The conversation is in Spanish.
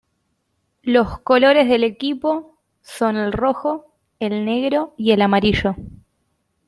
Los colores del equipo son el rojo, el negro y el amarillo.